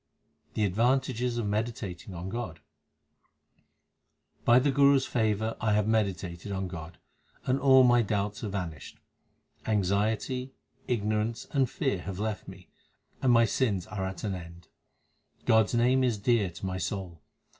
The advantages of meditating on God : By the Guru s favour I have meditated on God, and all my doubts have vanished. Anxiety, ignorance, and fear have left me, and my sins are at an end. God s name is dear to my soul.